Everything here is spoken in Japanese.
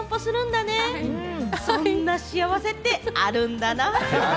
そんな幸せってあるんだな。